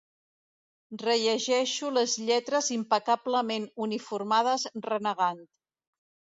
Rellegeixo les lletres impecablement uniformades renegant.